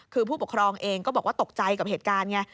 คือผู้ปกครองเองก็บอกว่าตกใจกับเหตุการณ์ไง